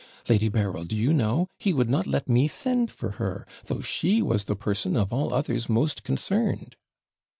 Lady Berryl, do you know, he would not let me send for her, though she was the person of all others most concerned!'